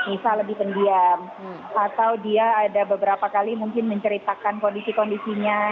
nisa lebih pendiam atau dia ada beberapa kali mungkin menceritakan kondisi kondisinya